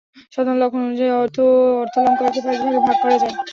সাধারণ লক্ষণ অনুযায়ী অর্থালঙ্কারকে পাঁচভাগে ভাগ করা যায়।